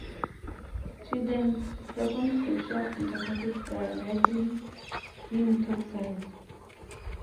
She then performs sexual intercourse by riding him topside.